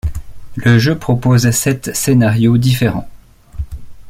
Le jeu propose sept scénarios différents.